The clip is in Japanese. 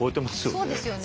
そうですよね。